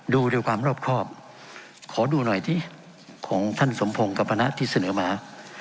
ดูโดยความรอบครอบขอดูหน่อยที่ของท่านสมพงศ์กับพนักที่เสนอมา